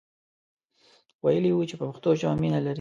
ویلی وو چې په پښتو ژبه مینه لري.